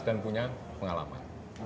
dan punya pengalaman